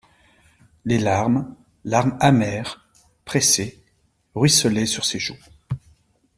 Les larmes, larmes amères, pressées, ruisselaient sur ses joues.